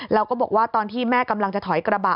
แล้วก็บอกว่าตอนที่แม่กำลังจะถอยกระบะ